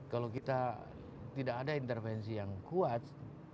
kalau kita tidak ada intervensi yang kuat